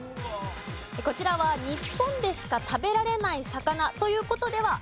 こちらは日本でしか食べられない魚という事ではありません。